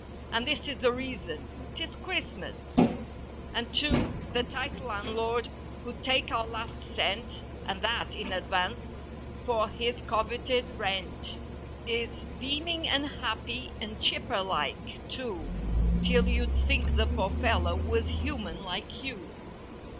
And this is the reason: 'Tis Christmas. And too, the tight landlord who'd take our last cent (And that in advance) for his coveted rent. Is beaming and happy and chipper like, too, 'Till you'd think the poor fellow was human— like you.